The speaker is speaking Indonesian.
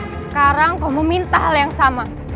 sekarang kau meminta hal yang sama